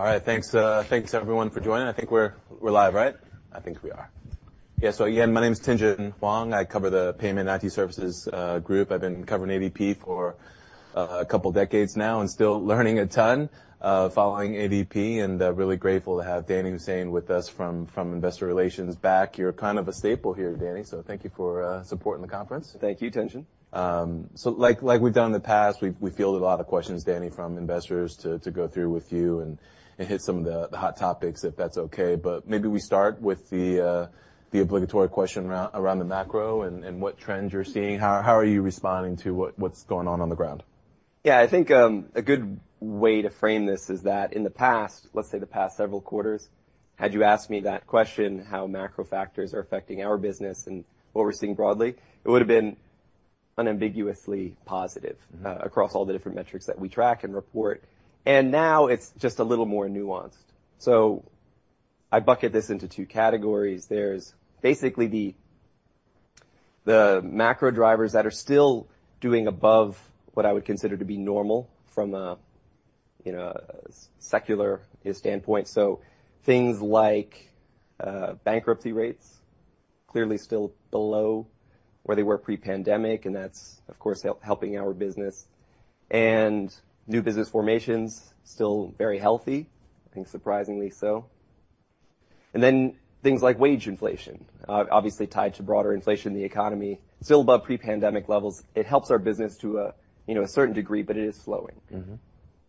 All right, thanks, thanks, everyone, for joining. I think we're live, right? I think we are. Yeah, so again, my name is Tien-tsin Huang. I cover the Payment IT Services group. I've been covering ADP for a couple of decades now, and still learning a ton, following ADP, and really grateful to have Danny Hussain with us from Investor Relations back. You're kind of a staple here, Danny, so thank you for supporting the conference. Thank you, Tien-tsin. So, like, like we've done in the past, we've fielded a lot of questions, Danny, from investors to go through with you and hit some of the hot topics, if that's okay. But maybe we start with the obligatory question around the macro and what trends you're seeing. How are you responding to what's going on on the ground? Yeah, I think, a good way to frame this is that in the past, let's say the past several quarters, had you asked me that question, how macro factors are affecting our business and what we're seeing broadly, it would have been unambiguously positive. Mm-hmm... across all the different metrics that we track and report. And now it's just a little more nuanced. So I bucket this into two categories. There's basically the macro drivers that are still doing above what I would consider to be normal from a, you know, a secular standpoint. So things like, bankruptcy rates, clearly still below where they were pre-pandemic, and that's, of course, helping our business. And new business formations, still very healthy, I think, surprisingly so. And then things like wage inflation, obviously tied to broader inflation in the economy, still above pre-pandemic levels. It helps our business to a, you know, a certain degree, but it is slowing. Mm-hmm.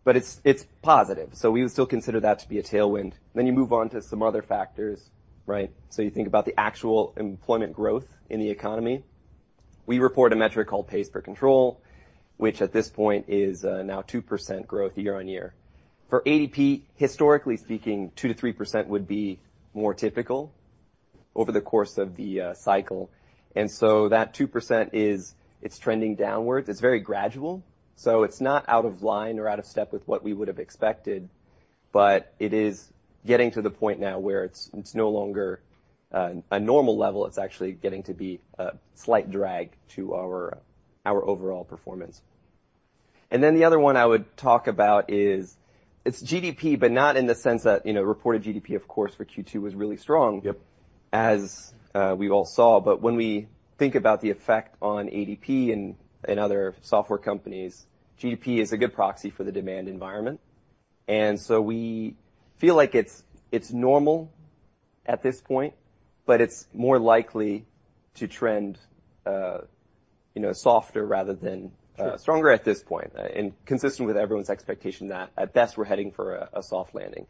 But it's, it's positive, so we would still consider that to be a tailwind. Then you move on to some other factors, right? So you think about the actual employment growth in the economy. We report a metric called Pays Per Control, which at this point is now 2% growth year-over-year. For ADP, historically speaking, 2%-3% would be more typical over the course of the cycle. And so that 2% is... it's trending downwards. It's very gradual, so it's not out of line or out of step with what we would have expected, but it is getting to the point now where it's, it's no longer a normal level. It's actually getting to be a slight drag to our, our overall performance. And then the other one I would talk about is, it's GDP, but not in the sense that, you know, reported GDP, of course, for Q2 was really strong- Yep... as we all saw. But when we think about the effect on ADP and other software companies, GDP is a good proxy for the demand environment. And so we feel like it's normal at this point, but it's more likely to trend, you know, softer rather than- Sure.... stronger at this point, and consistent with everyone's expectation that at best, we're heading for a soft landing.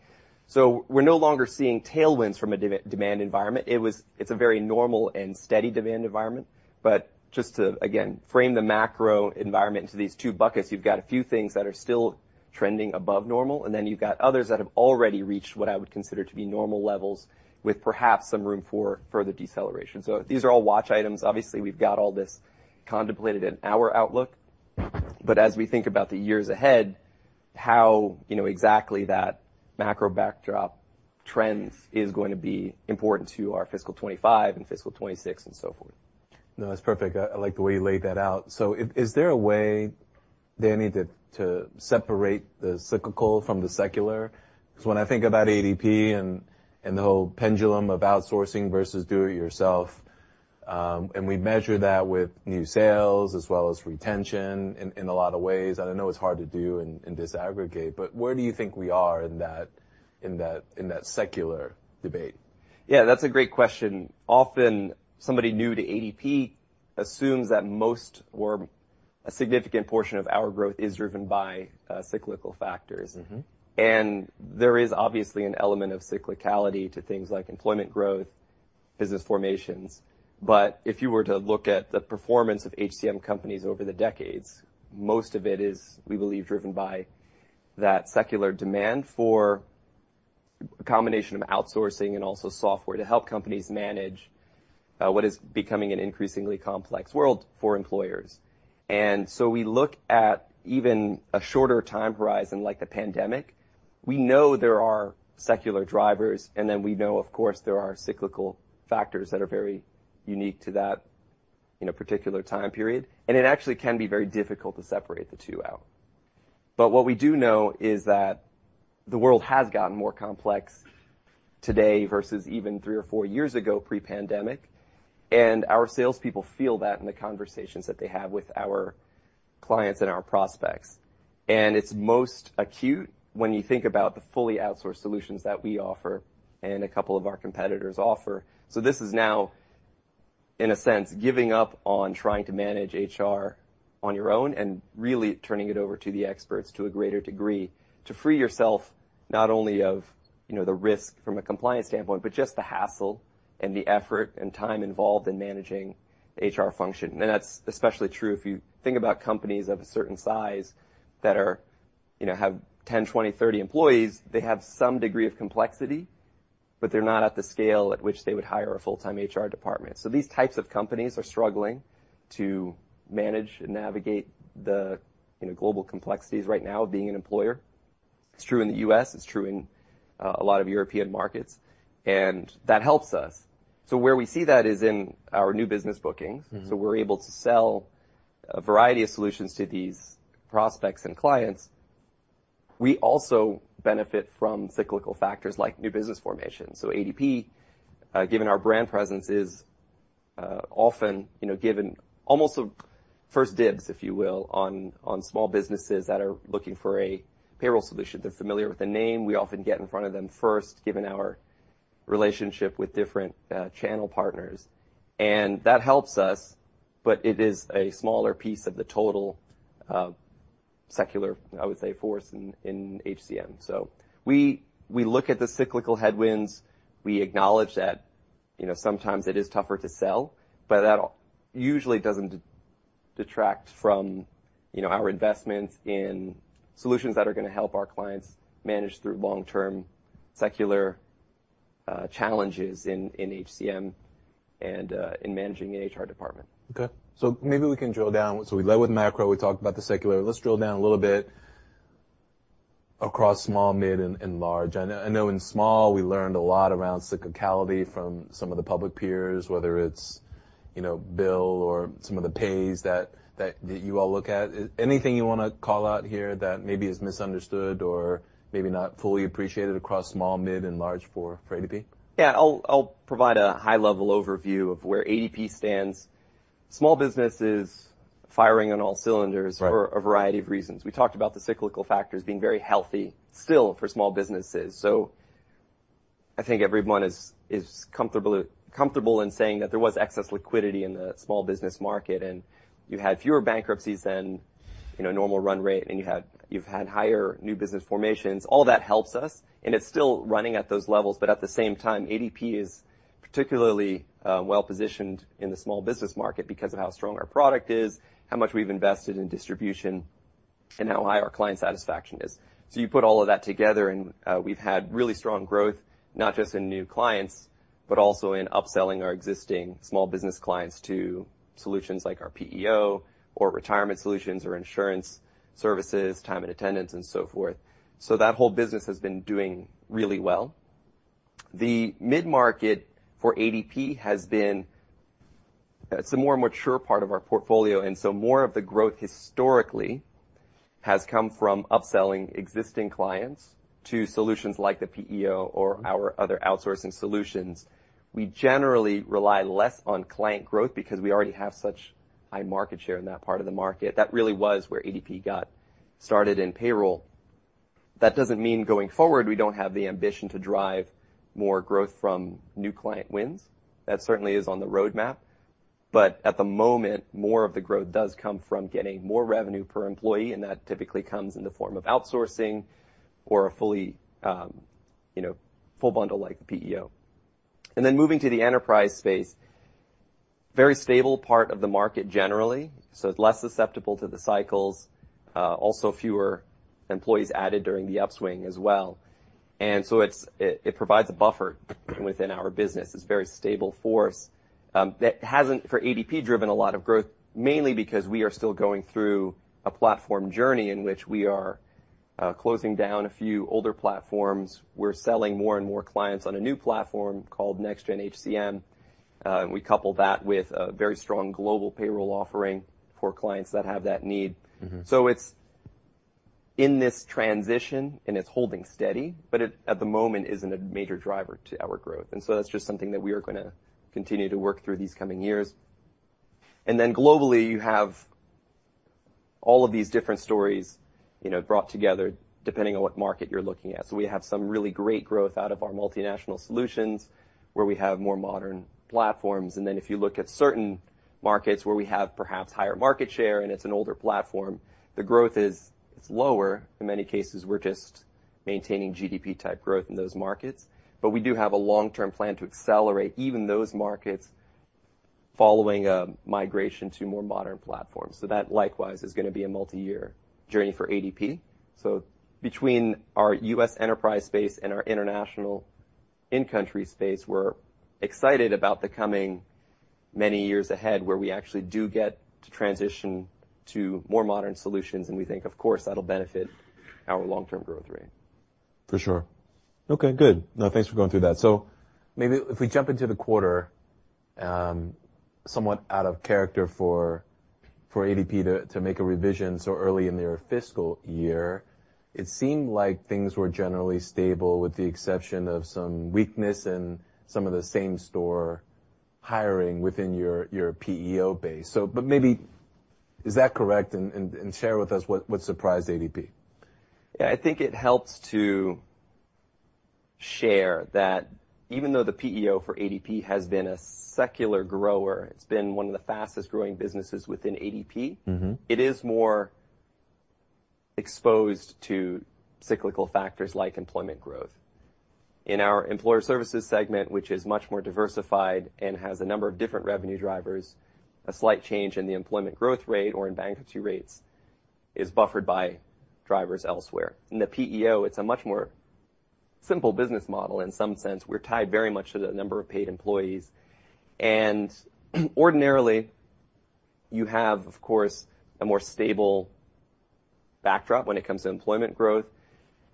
So we're no longer seeing tailwinds from a demand environment. It's a very normal and steady demand environment. But just to, again, frame the macro environment into these two buckets, you've got a few things that are still trending above normal, and then you've got others that have already reached what I would consider to be normal levels, with perhaps some room for further deceleration. So these are all watch items. Obviously, we've got all this contemplated in our outlook, but as we think about the years ahead, how, you know, exactly that macro backdrop trends is going to be important to our fiscal 25 and fiscal 26 and so forth. No, that's perfect. I like the way you laid that out. So, is there a way, Danny, to separate the cyclical from the secular? 'Cause when I think about ADP and the whole pendulum of outsourcing versus do it yourself, and we measure that with new sales as well as retention in a lot of ways, and I know it's hard to do and disaggregate, but where do you think we are in that secular debate? Yeah, that's a great question. Often, somebody new to ADP assumes that most or a significant portion of our growth is driven by cyclical factors. Mm-hmm. There is obviously an element of cyclicality to things like employment growth, business formations. But if you were to look at the performance of HCM companies over the decades, most of it is, we believe, driven by that secular demand for a combination of outsourcing and also software to help companies manage what is becoming an increasingly complex world for employers. And so we look at even a shorter time horizon, like the pandemic. We know there are secular drivers, and then we know, of course, there are cyclical factors that are very unique to that, you know, particular time period. And it actually can be very difficult to separate the two out. But what we do know is that the world has gotten more complex today versus even 3 or 4 years ago, pre-pandemic, and our salespeople feel that in the conversations that they have with our clients and our prospects. It's most acute when you think about the fully outsourced solutions that we offer and a couple of our competitors offer. This is now, in a sense, giving up on trying to manage HR on your own and really turning it over to the experts to a greater degree, to free yourself not only of, you know, the risk from a compliance standpoint, but just the hassle and the effort and time involved in managing HR function. That's especially true if you think about companies of a certain size that are... you know, have 10, 20, 30 employees. They have some degree of complexity, but they're not at the scale at which they would hire a full-time HR department. So these types of companies are struggling to manage and navigate the, you know, global complexities right now of being an employer. It's true in the U.S., it's true in, a lot of European markets, and that helps us. So where we see that is in our new business bookings. Mm-hmm. So we're able to sell a variety of solutions to these prospects and clients. We also benefit from cyclical factors like new business formation. So ADP, given our brand presence, is often, you know, given almost first dibs, if you will, on small businesses that are looking for a payroll solution. They're familiar with the name. We often get in front of them first, given our relationship with different channel partners, and that helps us, but it is a smaller piece of the total secular, I would say, force in HCM. So we look at the cyclical headwinds. We acknowledge that, you know, sometimes it is tougher to sell, but that usually doesn't detract from, you know, our investments in solutions that are gonna help our clients manage through long-term secular challenges in HCM and in managing the HR department. Okay, so maybe we can drill down. So we led with macro, we talked about the secular. Let's drill down a little bit across small, mid, and large. I know, I know in small, we learned a lot around cyclicality from some of the public peers, whether it's, you know, BILL or some of the Paycom that, that you all look at. Anything you wanna call out here that maybe is misunderstood or maybe not fully appreciated across small, mid, and large for ADP? Yeah. I'll provide a high-level overview of where ADP stands. Small business is firing on all cylinders- Right... for a variety of reasons. We talked about the cyclical factors being very healthy still for small businesses. So I think everyone is comfortable in saying that there was excess liquidity in the small business market, and you had fewer bankruptcies than, you know, normal run rate, and you've had higher new business formations. All that helps us, and it's still running at those levels, but at the same time, ADP is particularly well-positioned in the small business market because of how strong our product is, how much we've invested in distribution, and how high our client satisfaction is. So you put all of that together, and we've had really strong growth, not just in new clients, but also in upselling our existing small business clients to solutions like our PEO or retirement solutions or insurance services, time and attendance, and so forth. So that whole business has been doing really well. The mid-market for ADP has been... It's a more mature part of our portfolio, and so more of the growth historically has come from upselling existing clients to solutions like the PEO or our other outsourcing solutions. We generally rely less on client growth because we already have such high market share in that part of the market. That really was where ADP got started in payroll. That doesn't mean, going forward, we don't have the ambition to drive more growth from new client wins. That certainly is on the roadmap, but at the moment, more of the growth does come from getting more revenue per employee, and that typically comes in the form of outsourcing or a fully, you know, full bundle like the PEO. And then, moving to the enterprise space, very stable part of the market generally, so it's less susceptible to the cycles, also fewer employees added during the upswing as well. And so it provides a buffer within our business. It's a very stable force that hasn't, for ADP, driven a lot of growth, mainly because we are still going through a platform journey in which we are closing down a few older platforms. We're selling more and more clients on a new platform called Next Gen HCM, and we couple that with a very strong global payroll offering for clients that have that need. Mm-hmm. So it's in this transition, and it's holding steady, but it, at the moment, isn't a major driver to our growth. And so that's just something that we are gonna continue to work through these coming years. And then globally, you have all of these different stories, you know, brought together, depending on what market you're looking at. So we have some really great growth out of our multinational solutions, where we have more modern platforms. And then, if you look at certain markets where we have perhaps higher market share, and it's an older platform, the growth is, it's lower. In many cases, we're just maintaining GDP-type growth in those markets. But we do have a long-term plan to accelerate even those markets following a migration to more modern platforms. So that, likewise, is gonna be a multi-year journey for ADP. Between our U.S. enterprise space and our international in-country space, we're excited about the coming many years ahead, where we actually do get to transition to more modern solutions, and we think, of course, that'll benefit our long-term growth rate. For sure. Okay, good. Now, thanks for going through that. So maybe if we jump into the quarter, somewhat out of character for ADP to make a revision so early in their fiscal year, it seemed like things were generally stable, with the exception of some weakness in some of the same-store hiring within your PEO base. So but maybe... Is that correct? And share with us what surprised ADP. Yeah, I think it helps to share that even though the PEO for ADP has been a secular grower, it's been one of the fastest-growing businesses within ADP- Mm-hmm... it is more exposed to cyclical factors like employment growth. In our Employer Services segment, which is much more diversified and has a number of different revenue drivers, a slight change in the employment growth rate or in bankruptcy rates is buffered by drivers elsewhere. In the PEO, it's a much more simple business model in some sense. We're tied very much to the number of paid employees. And ordinarily, you have, of course, a more stable backdrop when it comes to employment growth.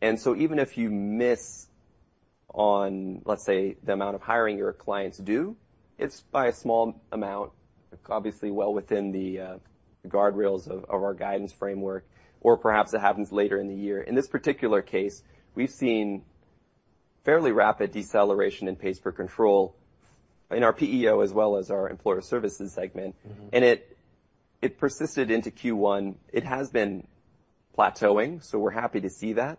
And so even if you miss on, let's say, the amount of hiring your clients do, it's by a small amount, obviously well within the guardrails of our guidance framework, or perhaps it happens later in the year. In this particular case, we've seen fairly rapid deceleration in Pays Per Control in our PEO, as well as our Employer Services segment. Mm-hmm. It persisted into Q1. It has been plateauing, so we're happy to see that,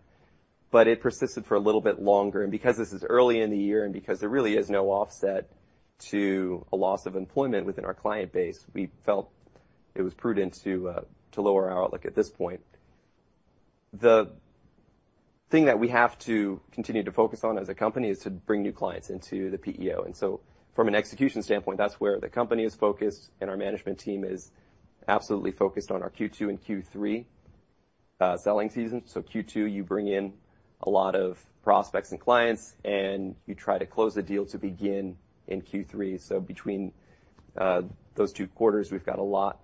but it persisted for a little bit longer. Because this is early in the year and because there really is no offset to a loss of employment within our client base, we felt it was prudent to lower our outlook at this point. The thing that we have to continue to focus on as a company is to bring new clients into the PEO. So from an execution standpoint, that's where the company is focused, and our management team is absolutely focused on our Q2 and Q3 selling season. In Q2, you bring in a lot of prospects and clients, and you try to close the deal to begin in Q3. So between those two quarters, we've got a lot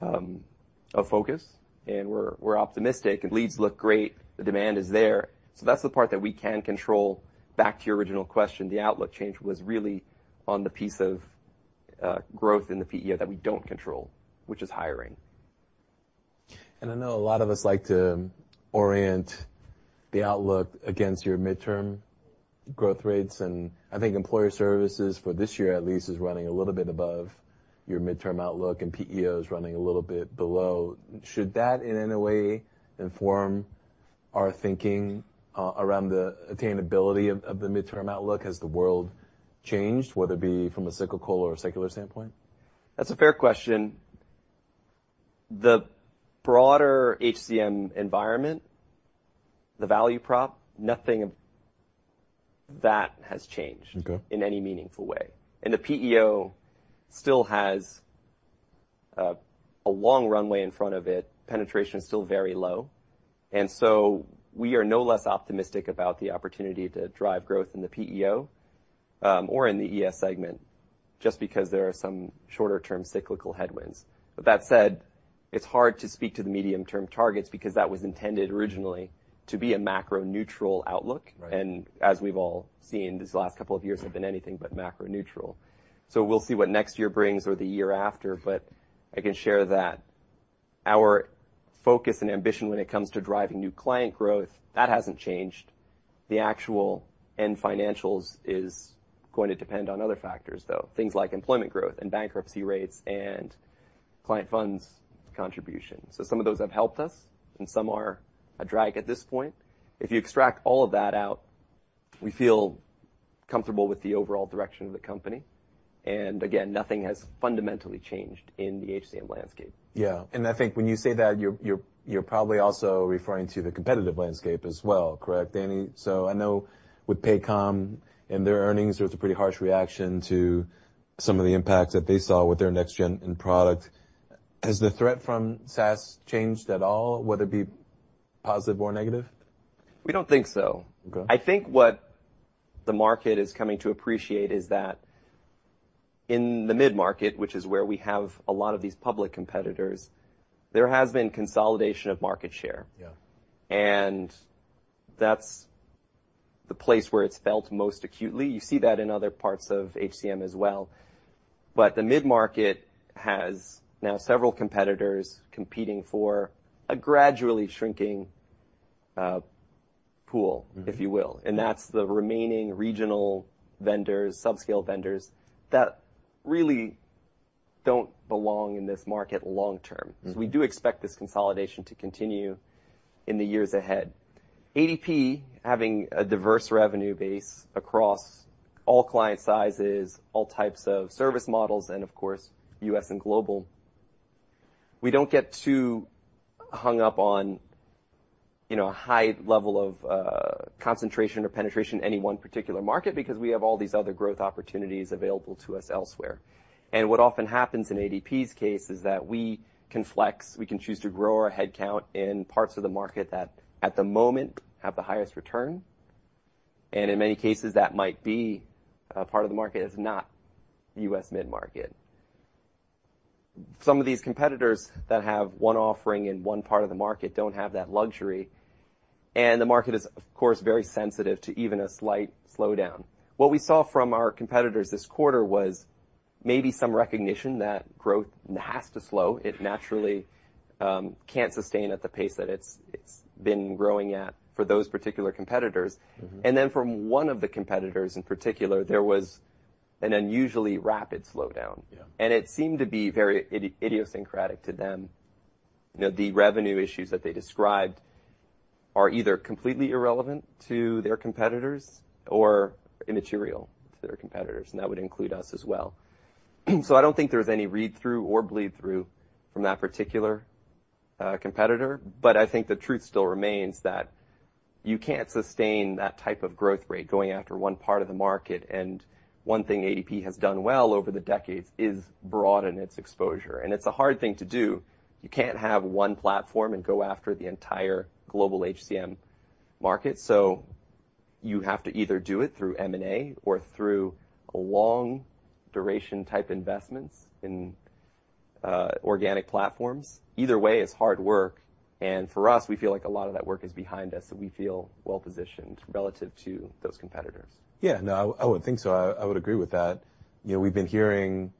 of focus, and we're, we're optimistic, and leads look great. The demand is there. So that's the part that we can control. Back to your original question, the outlook change was really on the piece of growth in the PEO that we don't control, which is hiring. I know a lot of us like to orient the outlook against your midterm growth rates, and I think Employer Services, for this year at least, is running a little bit above your midterm outlook, and PEO is running a little bit below. Should that, in any way, inform our thinking around the attainability of the midterm outlook? Has the world changed, whether it be from a cyclical or a secular standpoint? That's a fair question. The broader HCM environment, the value prop, nothing of that has changed- Okay. in any meaningful way. And the PEO still has a long runway in front of it. Penetration is still very low, and so we are no less optimistic about the opportunity to drive growth in the PEO, or in the ES segment, just because there are some shorter-term cyclical headwinds. But that said, it's hard to speak to the medium-term targets because that was intended originally to be a macro-neutral outlook. Right. As we've all seen, these last couple of years have been anything but macro-neutral. We'll see what next year brings or the year after, but I can share that our focus and ambition when it comes to driving new client growth, that hasn't changed. The actual end financials is going to depend on other factors, though. Things like employment growth and bankruptcy rates and client funds contribution. Some of those have helped us, and some are a drag at this point. If you extract all of that out, we feel comfortable with the overall direction of the company. Again, nothing has fundamentally changed in the HCM landscape. Yeah. I think when you say that, you're probably also referring to the competitive landscape as well, correct, Danny? I know with Paycom and their earnings, there was a pretty harsh reaction to some of the impacts that they saw with their next-gen product. Has the threat from SaaS changed at all, whether it be positive or negative? We don't think so. Okay. I think what the market is coming to appreciate is that in the mid-market, which is where we have a lot of these public competitors, there has been consolidation of market share. Yeah. That's the place where it's felt most acutely. You see that in other parts of HCM as well. The mid-market has now several competitors competing for a gradually shrinking pool- Mm-hmm... if you will, and that's the remaining regional vendors, subscale vendors, that really don't belong in this market long term. Mm-hmm. So we do expect this consolidation to continue in the years ahead. ADP, having a diverse revenue base across all client sizes, all types of service models, and of course, U.S. and global, we don't get too hung up on, you know, a high level of, concentration or penetration in any one particular market, because we have all these other growth opportunities available to us elsewhere. What often happens in ADP's case is that we can flex. We can choose to grow our headcount in parts of the market that, at the moment, have the highest return, and in many cases, that might be a part of the market that's not U.S. mid-market. Some of these competitors that have one offering in one part of the market don't have that luxury, and the market is, of course, very sensitive to even a slight slowdown. What we saw from our competitors this quarter was maybe some recognition that growth has to slow. It naturally can't sustain at the pace that it's been growing at for those particular competitors. Mm-hmm. And then from one of the competitors in particular, there was an unusually rapid slowdown. Yeah. It seemed to be very idiosyncratic to them. You know, the revenue issues that they described are either completely irrelevant to their competitors or immaterial to their competitors, and that would include us as well. So I don't think there's any read-through or bleed-through from that particular competitor, but I think the truth still remains that you can't sustain that type of growth rate going after one part of the market. One thing ADP has done well over the decades is broaden its exposure, and it's a hard thing to do. You can't have one platform and go after the entire global HCM market. You have to either do it through M&A or through long-duration type investments in organic platforms. Either way, it's hard work, and for us, we feel like a lot of that work is behind us, so we feel well-positioned relative to those competitors. Yeah. No, I, I would think so. I, I would agree with that. You know, we've been hearing.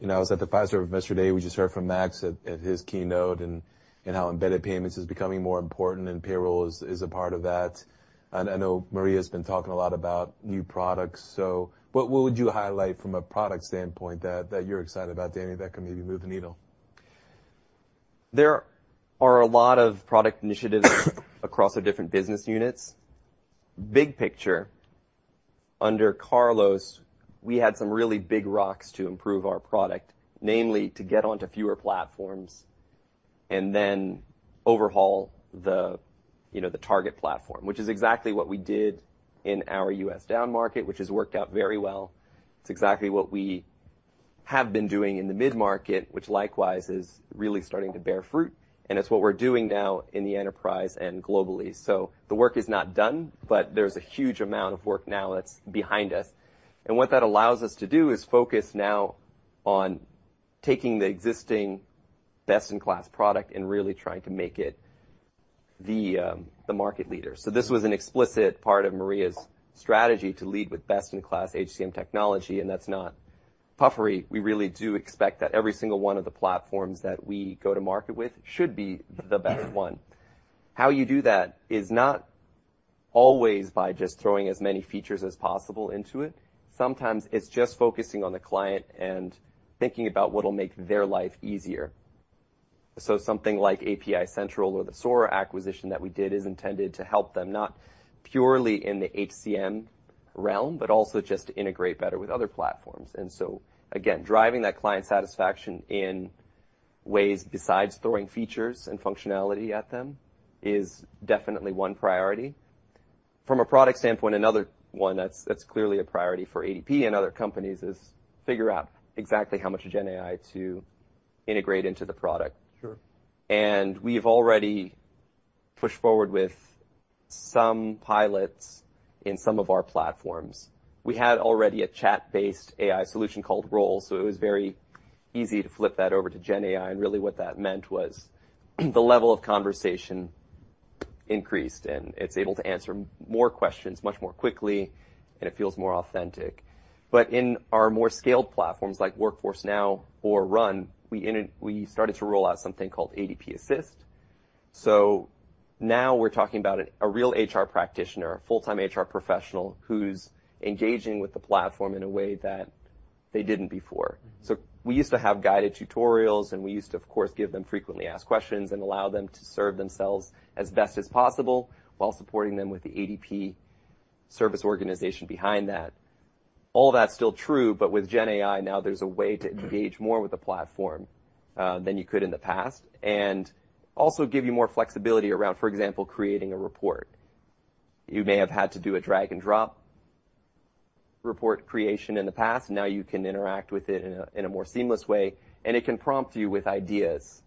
You know, I was at the Fiserv yesterday. We just heard from Max at, at his keynote, and, and how embedded payments is becoming more important, and payroll is, is a part of that. And I know Maria's been talking a lot about new products. So what would you highlight from a product standpoint that, that you're excited about, Danny, that can maybe move the needle? There are a lot of product initiatives across the different business units. Big picture, under Carlos, we had some really big rocks to improve our product, namely, to get onto fewer platforms and then overhaul the, you know, the target platform, which is exactly what we did in our U.S. down market, which has worked out very well. It's exactly what we have been doing in the mid-market, which likewise is really starting to bear fruit, and it's what we're doing now in the enterprise and globally. So the work is not done, but there's a huge amount of work now that's behind us. And what that allows us to do is focus now on taking the existing best-in-class product and really trying to make it the market leader. So this was an explicit part of Maria's strategy to lead with best-in-class HCM technology, and that's not puffery. We really do expect that every single one of the platforms that we go to market with should be the best one. How you do that is not always by just throwing as many features as possible into it. Sometimes it's just focusing on the client and thinking about what'll make their life easier. So something like API Central or the Sora acquisition that we did is intended to help them, not purely in the HCM realm, but also just to integrate better with other platforms. And so, again, driving that client satisfaction in ways besides throwing features and functionality at them is definitely one priority. From a product standpoint, another one that's, that's clearly a priority for ADP and other companies is figure out exactly how much Gen AI to integrate into the product. Sure. We've already pushed forward with some pilots in some of our platforms. We had already a chat-based AI solution called Roll, so it was very easy to flip that over to Gen AI, and really what that meant was the level of conversation increased, and it's able to answer more questions much more quickly, and it feels more authentic. But in our more scaled platforms, like Workforce Now or RUN, we started to roll out something called ADP Assist. So now we're talking about a real HR practitioner, a full-time HR professional, who's engaging with the platform in a way that they didn't before. Mm. So we used to have guided tutorials, and we used to, of course, give them frequently asked questions and allow them to serve themselves as best as possible while supporting them with the ADP service organization behind that. All that's still true, but with Gen AI, now there's a way to engage more with the platform than you could in the past, and also give you more flexibility around, for example, creating a report. You may have had to do a drag-and-drop report creation in the past. Now you can interact with it in a more seamless way, and it can prompt you with ideas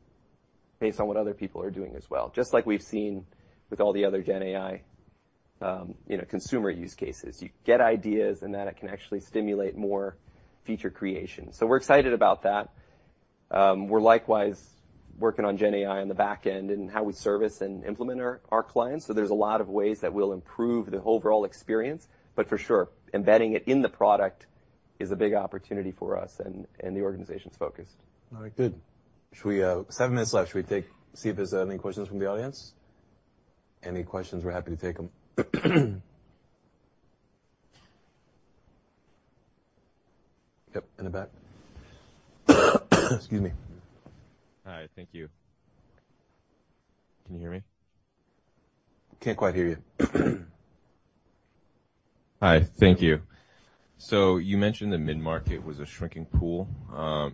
based on what other people are doing as well, just like we've seen with all the other Gen AI, you know, consumer use cases. You get ideas, and then it can actually stimulate more feature creation. So we're excited about that. We're likewise working on Gen AI on the back end and how we service and implement our clients, so there's a lot of ways that we'll improve the overall experience. But for sure, embedding it in the product is a big opportunity for us, and the organization's focused. All right. Good. 7 minutes left. Should we see if there's any questions from the audience? Any questions, we're happy to take them. Yep, in the back. Excuse me. Hi, thank you. Can you hear me? Can't quite hear you. Hi, thank you. So you mentioned the mid-market was a shrinking pool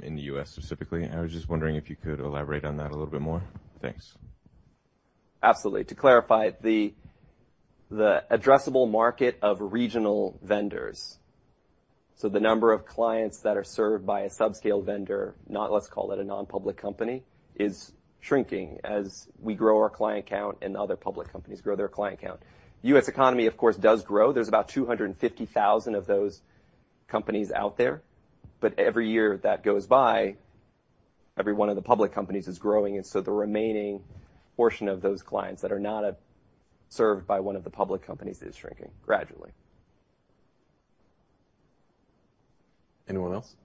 in the US specifically. I was just wondering if you could elaborate on that a little bit more. Thanks. Absolutely. To clarify, the addressable market of regional vendors, so the number of clients that are served by a subscale vendor, not, let's call it, a non-public company, is shrinking as we grow our client count and other public companies grow their client count. U.S. economy, of course, does grow. There's about 250,000 of those companies out there, but every year that goes by, every one of the public companies is growing, and so the remaining portion of those clients that are not served by one of the public companies is shrinking gradually. Anyone else?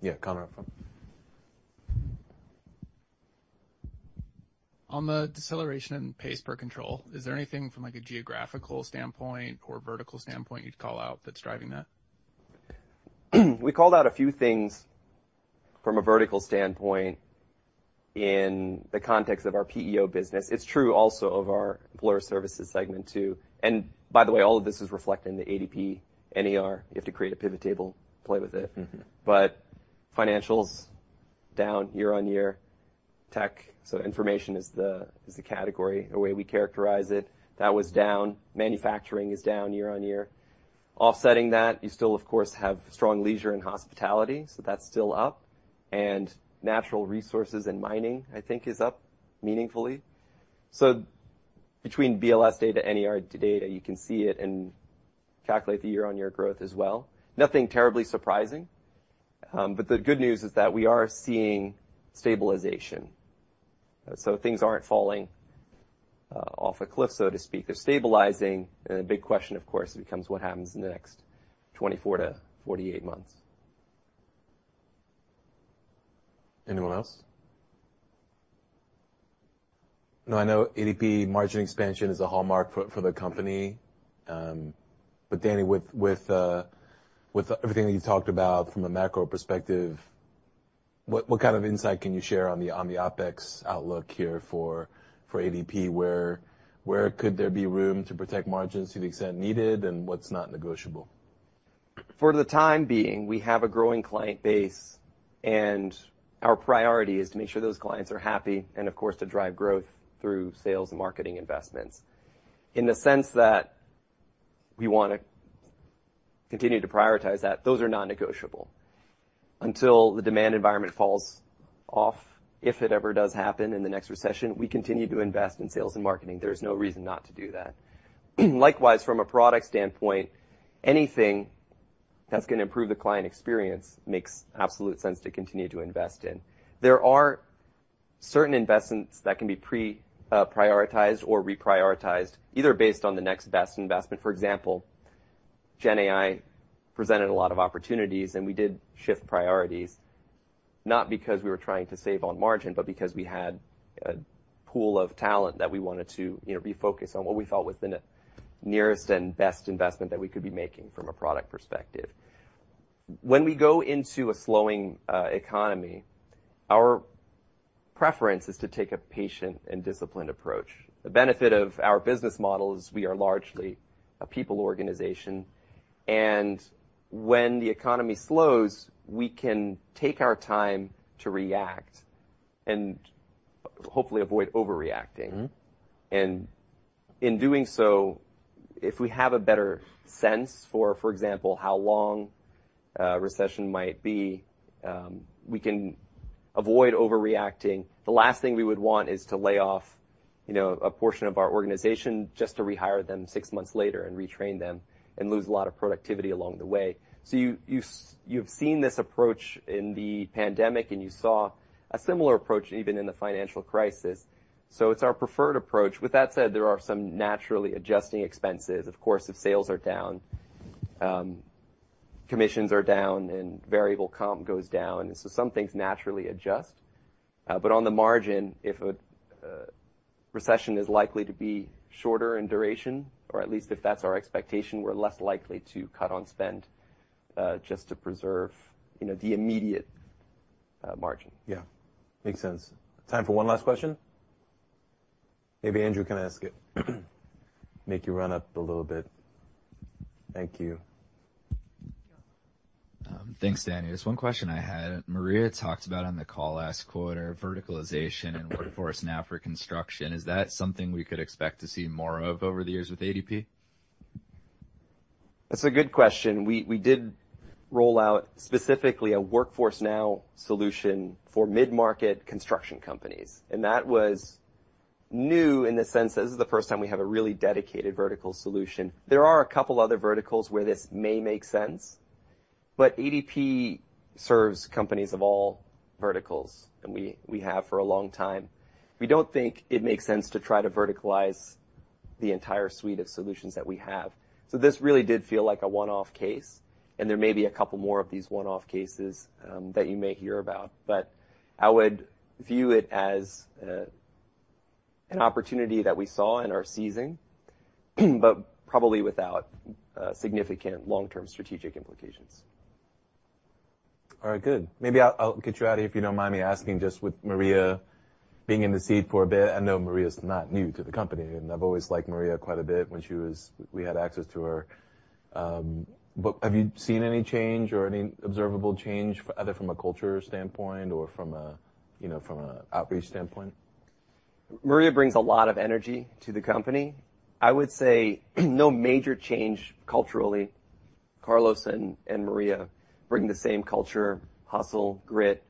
Yeah, Connor. On the deceleration and pays Per control, is there anything from, like, a geographical standpoint or vertical standpoint you'd call out that's driving that? We called out a few things from a vertical standpoint in the context of our PEO business. It's true also of our Employer Services segment, too. By the way, all of this is reflected in the ADP NER. You have to create a pivot table, play with it. Mm-hmm. But financials, down year-on-year. Tech, so information is the category, the way we characterize it. That was down. Manufacturing is down year-on-year. Offsetting that, you still, of course, have strong leisure and hospitality, so that's still up... and natural resources and mining, I think, is up meaningfully. So between BLS data, NER data, you can see it and calculate the year-on-year growth as well. Nothing terribly surprising, but the good news is that we are seeing stabilization. So things aren't falling off a cliff, so to speak. They're stabilizing, and the big question, of course, becomes: What happens in the next 24-48 months? Anyone else? No, I know ADP margin expansion is a hallmark for the company. But Danny, with everything that you talked about from a macro perspective, what kind of insight can you share on the OpEx outlook here for ADP? Where could there be room to protect margins to the extent needed, and what's not negotiable? For the time being, we have a growing client base, and our priority is to make sure those clients are happy and, of course, to drive growth through sales and marketing investments. In the sense that we wanna continue to prioritize that, those are non-negotiable. Until the demand environment falls off, if it ever does happen in the next recession, we continue to invest in sales and marketing. There's no reason not to do that. Likewise, from a product standpoint, anything that's gonna improve the client experience makes absolute sense to continue to invest in. There are certain investments that can be pre-, prioritized or reprioritized, either based on the next best investment... For example, Gen AI presented a lot of opportunities, and we did shift priorities, not because we were trying to save on margin, but because we had a pool of talent that we wanted to, you know, be focused on what we felt was the nearest and best investment that we could be making from a product perspective. When we go into a slowing economy, our preference is to take a patient and disciplined approach. The benefit of our business model is we are largely a people organization, and when the economy slows, we can take our time to react and hopefully avoid overreacting. Mm-hmm. In doing so, if we have a better sense for, for example, how long a recession might be, we can avoid overreacting. The last thing we would want is to lay off, you know, a portion of our organization just to rehire them six months later and retrain them and lose a lot of productivity along the way. So you've seen this approach in the pandemic, and you saw a similar approach even in the financial crisis, so it's our preferred approach. With that said, there are some naturally adjusting expenses. Of course, if sales are down, commissions are down and variable comp goes down, and so some things naturally adjust. But on the margin, if a recession is likely to be shorter in duration, or at least if that's our expectation, we're less likely to cut on spend, just to preserve, you know, the immediate margin. Yeah. Makes sense. Time for one last question. Maybe Andrew, can I ask you? Make you run up a little bit. Thank you. Thanks, Danny. There's one question I had. Maria talked about on the call last quarter, verticalization and Workforce Now for construction. Is that something we could expect to see more of over the years with ADP? That's a good question. We, we did roll out specifically a Workforce Now solution for mid-market construction companies, and that was new in the sense that this is the first time we have a really dedicated vertical solution. There are a couple other verticals where this may make sense, but ADP serves companies of all verticals, and we, we have for a long time. We don't think it makes sense to try to verticalize the entire suite of solutions that we have. So this really did feel like a one-off case, and there may be a couple more of these one-off cases, that you may hear about. But I would view it as, an opportunity that we saw and are seizing, but probably without, significant long-term strategic implications. All right. Good. Maybe I'll get you out here, if you don't mind me asking, just with Maria being in the seat for a bit. I know Maria's not new to the company, and I've always liked Maria quite a bit when she was... We had access to her. But have you seen any change or any observable change, either from a culture standpoint or from a, you know, from a outreach standpoint? Maria brings a lot of energy to the company. I would say, no major change culturally. Carlos and, and Maria bring the same culture, hustle, grit,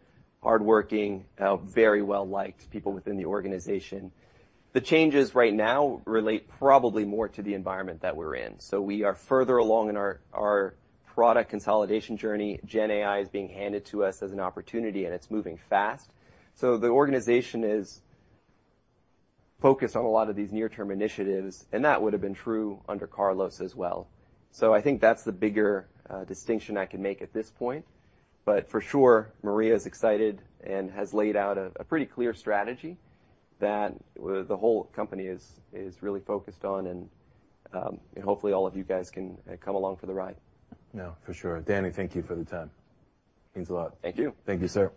hardworking, very well-liked people within the organization. The changes right now relate probably more to the environment that we're in. So we are further along in our, our product consolidation journey. Gen AI is being handed to us as an opportunity, and it's moving fast. So the organization is focused on a lot of these near-term initiatives, and that would have been true under Carlos as well. So I think that's the bigger, distinction I can make at this point. But for sure, Maria is excited and has laid out a, a pretty clear strategy that the whole company is, is really focused on, and, and hopefully, all of you guys can, come along for the ride. Yeah, for sure. Danny, thank you for the time. Means a lot. Thank you. Thank you, sir.